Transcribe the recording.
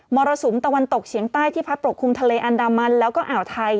รสุมตะวันตกเฉียงใต้ที่พัดปกคลุมทะเลอันดามันแล้วก็อ่าวไทย